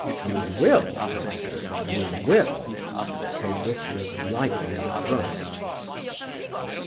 "You will, Oscar, you will," came Whistler's lightning thrust.